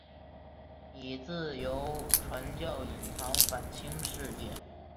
以自由传教隐藏反清事业。